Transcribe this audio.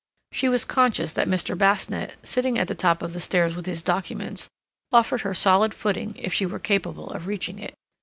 She was conscious that Mr. Basnett, sitting at the top of the stairs with his documents, offered her solid footing if she were capable of reaching it.